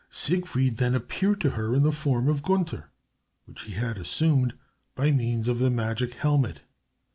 Siegfried then appeared to her in the form of Gunther, which he had assumed by means of the magic helmet.